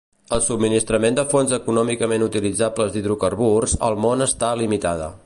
El subministrament de fonts econòmicament utilitzables d'hidrocarburs al món està limitada.